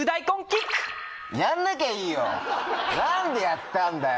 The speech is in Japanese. やんなきゃいいよ。何でやったんだよ